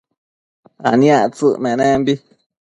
aniactsëc menembi